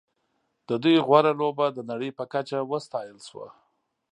د دوی غوره لوبه د نړۍ په کچه وستایل شوه.